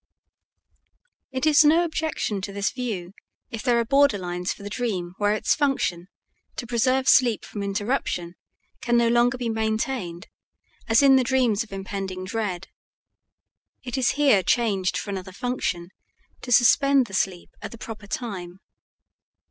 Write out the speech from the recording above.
It is no objection to this view if there are borderlines for the dream where its function, to preserve sleep from interruption, can no longer be maintained as in the dreams of impending dread. It is here changed for another function to suspend the sleep at the proper time.